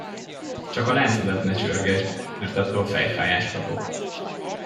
Csak a láncodat ne csörgesd, mert attól fejfájást kapok.